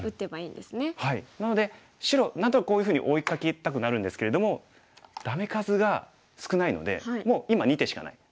なので白何となくこういうふうに追いかけたくなるんですけれどもダメ数が少ないのでもう今２手しかない。